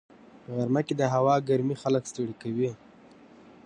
په غرمه کې د هوا ګرمي خلک ستړي کوي